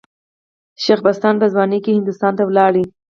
شېخ بستان په ځوانۍ کښي هندوستان ته ولاړ.